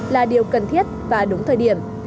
là điều cần thiết và đúng thời điểm